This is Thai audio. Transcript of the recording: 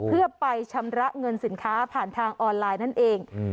เพื่อไปชำระเงินสินค้าผ่านทางออนไลน์นั่นเอง